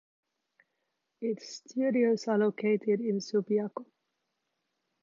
Its studios are located in Subiaco.